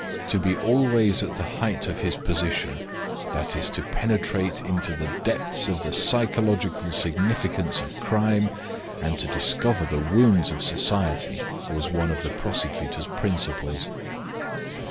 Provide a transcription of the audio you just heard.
To be always at the height of his position, i.e., to penetrate into the depths of the psychological significance of crime and to discover the wounds of society, was one of the prosecutor's principles.